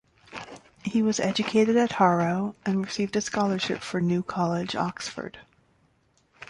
He was educated at Harrow and received a scholarship for New College, Oxford.